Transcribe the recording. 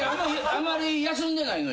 あまり休んでないの？